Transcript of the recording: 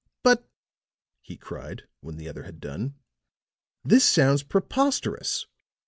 "But," he cried, when the other had done, "this sounds preposterous!